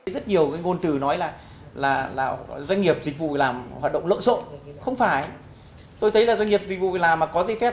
rất nhiều ngôn từ nói là doanh nghiệp dịch vụ việc làm hoạt động lỡ sộn không phải tôi thấy doanh nghiệp dịch vụ việc làm có dây phép